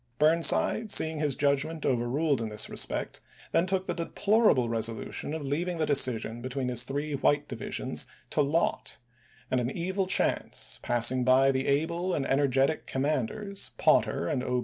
Burnside seeing his judgment overruled in this respect then took the deplorable reso lution of leaving the decision between his three white divisions to lot ; and an evil chance, passing by the able and energetic commanders, Potter and 0.